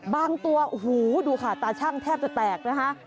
บางตัวโหดูค่ะตาช่างแทบจะแตกนะคะ